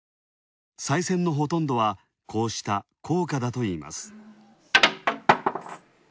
賽銭のほとんどは、こうした硬貨だといいます。